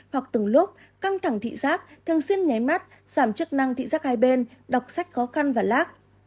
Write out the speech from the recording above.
hoặc từng lúc căng thẳng thị giác thường xuyên nháy mắt giảm chức năng thị giác hai bên đọc sách khó khăn và lác